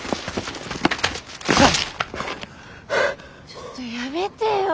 ちょっとやめてよ。